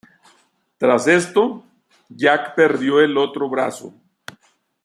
Tras esto, Jack perdió el otro brazo.